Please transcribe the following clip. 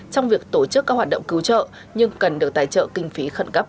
trong việc tổ chức các hoạt động cứu trợ nhưng cần được tài trợ kinh phí khẩn cấp